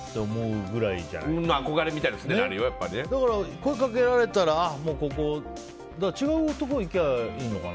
声かけられたら違うところ行けばいいのかな。